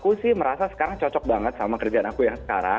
aku sih merasa sekarang cocok banget sama kerjaan aku yang sekarang